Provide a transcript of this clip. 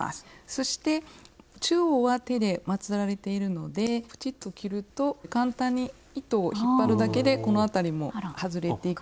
そして中央は手でまつられているのでプチっと切ると簡単に糸を引っ張るだけでこの辺りも外れていきます。